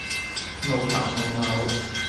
傲頭傲腦